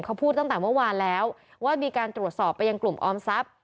เขาพูดตั้งแต่เมื่อวานแล้วว่ามีการตรวจสอบไปยังกลุ่มออมทรัพย์